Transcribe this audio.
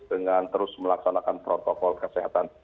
dengan terus melaksanakan protokol kesehatan